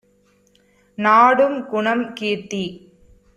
நாடும் குணம், கீர்த்தி